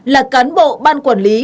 là cán bộ ban quản lý